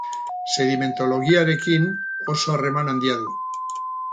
Sedimentologiarekin oso harreman handia du.